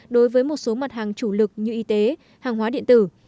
đối với một số mặt hàng chủ lực như y tế hàng hóa điện tử